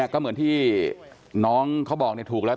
ก็เหมือนที่น้องเขาบอกถูกแล้ว